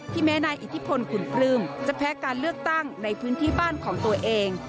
แม้นายอิทธิพลขุนปลื้มจะแพ้การเลือกตั้งในพื้นที่บ้านของตัวเอง